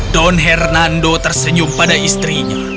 don hernando tersenyum pada istrinya